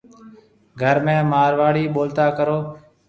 گھر ۾ مارواڙي ٻولتا ڪرون۔